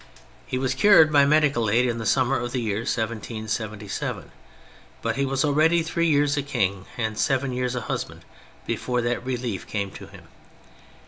He was cured by medical aid in the summer of the year 1777, but he was ah^eady three years a king and seven years a husband before that relief came to him.